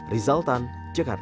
rizal tan jakarta